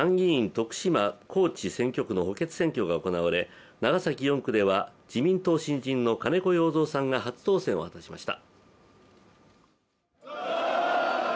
徳島・高知選挙区の補欠選挙が行われ、長崎４区では自民党新人の金子容三さんが初当選を果たしました。